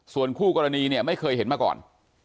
ส่วนคู่กรณีเนี่ยไม่เคยเห็นมาก่อน